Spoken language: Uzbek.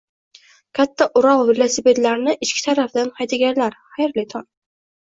Katta "Урал" velosipedlarni ichki tarafidan haydaganlar, xayrli tong!